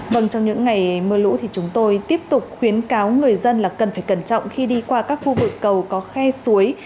vâng trong những ngày mưa lũ thì chúng tôi tiếp tục khuyến cáo người dân là cần phải cẩn trọng khi đi qua các khu vực cầu có khe suối